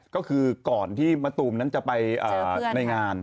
ก็คือก่อนที่มะตูมนั้นจะไปในงาน